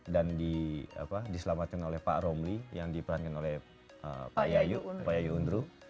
dan di apa diselamatkan oleh pak romli yang diperankan oleh pak yayu undru